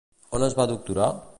On es va doctorar?